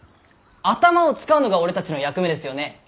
頭を使うのが俺たちの役目ですよね？